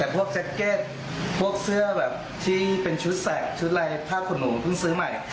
พวกแจ็คเก็ตพวกเสื้อแบบที่เป็นชุดแสกชุดลายผ้าขนหนูเพิ่งซื้อใหม่